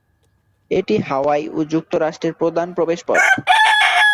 এটি হাওয়াই ও যুক্তরাষ্ট্রের প্রধান প্রবেশপথ।